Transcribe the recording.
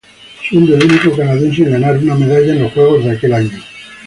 Siendo el único canadiense en ganar una medalla en los juegos de aquel año.